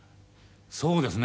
そうですね。